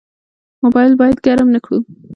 موبایل مو باید ګرم نه کړو.